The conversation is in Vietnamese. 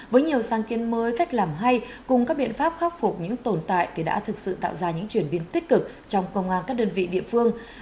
với nhiều sáng kiến mới cách làm hay cùng các biện pháp khắc phục những tồn tại thì đã thực sự tạo ra những chuyển biến tích cực trong công an các đơn vị địa phương